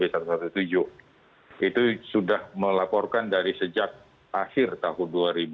itu sudah melaporkan dari sejak akhir tahun dua ribu dua